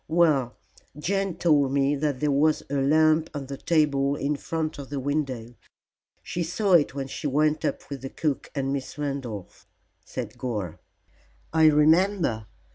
Well, Jane told me that there was a lamp on the table in front of the window. She saw it when she went up with the cook and Miss Randolph." "I remember.